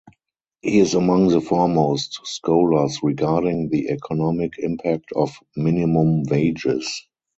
He is among the foremost scholars regarding the economic impact of minimum wages.